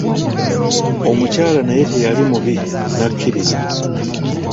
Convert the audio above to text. Omukyala naye teyali mubi n'akkiriza.